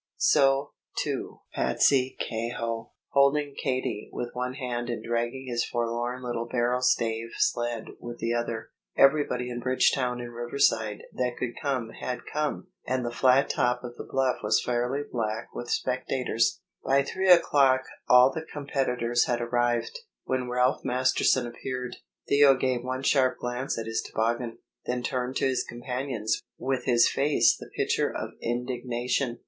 So, too, was Patsey Kehoe, holding Katey with one hand and dragging his forlorn little barrel stave sled with the other. Everybody in Bridgetown and Riverside that could come had come, and the flat top of the bluff was fairly black with spectators. By three o'clock all the competitors had arrived. When Ralph Masterton appeared, Theo gave one sharp glance at his toboggan, then turned to his companions with his face the picture of indignation.